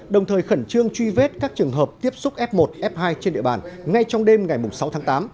đồng thời khẩn trương truy vết các trường hợp tiếp xúc f một f hai trên địa bàn ngay trong đêm ngày sáu tháng tám